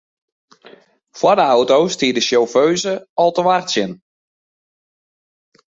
Foar de auto stie de sjauffeuze al te wachtsjen.